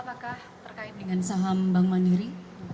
apakah terkait dengan saham bank mandiri